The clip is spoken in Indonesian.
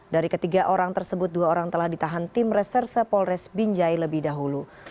dari ketiga orang tersebut dua orang telah ditahan tim reserse polres binjai lebih dahulu